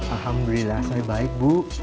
alhamdulillah saya baik bu